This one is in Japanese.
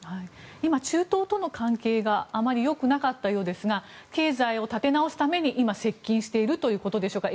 今、中東の関係があまりよくなかったようですが経済を立て直すために今、接近しているということでしょうか。